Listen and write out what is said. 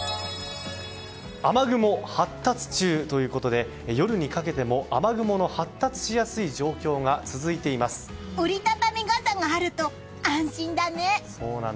雨雲発達中ということで夜にかけても雨雲の発達しやすい状況が折り畳み傘があると安心だね！